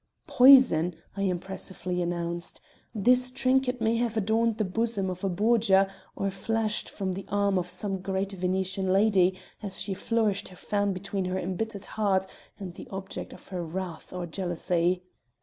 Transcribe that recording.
'Poison!' I impressively announced. 'This trinket may have adorned the bosom of a Borgia or flashed from the arm of some great Venetian lady as she flourished her fan between her embittered heart and the object of her wrath or jealousy.'